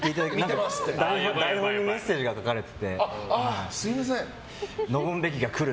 台本にメッセージが書かれてて。